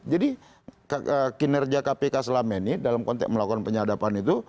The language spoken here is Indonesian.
jadi kinerja kpk selama ini dalam konteks melakukan penyadapan itu